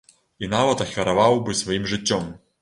І нават ахвяраваў бы сваім жыццём.